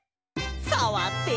さわって。